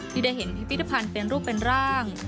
ที่ได้เห็นพิพิธภัณฑ์เป็นรูปเป็นร่าง